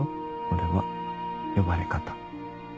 俺は呼ばれ方。